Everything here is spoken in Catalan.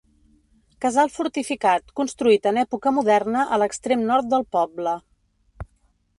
Casal fortificat construït en època moderna a l'extrem nord del poble.